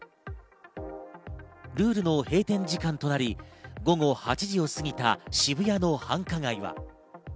ルールの閉店時間となり、午後８時を過ぎた渋谷の繁華街は。